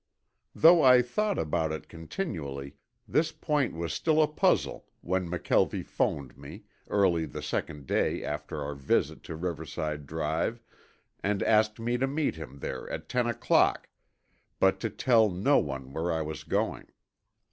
Though I thought about it continually, this point was still a puzzle when McKelvie phoned me, early the second day after our visit to Riverside Drive, and asked me to meet him there at ten o'clock, but to tell no one where I was going.